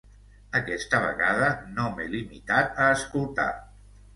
Aquesta vegada no m'he limitat a escoltar.